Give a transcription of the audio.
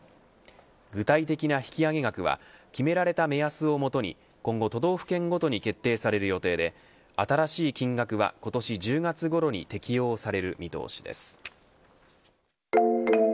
具体的な引き上げ額は決められた目安をもとに今後、都道府県ごとに決定される予定で新しい金額は今年１０月ごろに適用される見通しです。